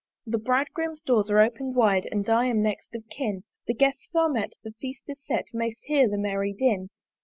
"The Bridegroom's doors are open'd wide "And I am next of kin; "The Guests are met, the Feast is set, "May'st hear the merry din.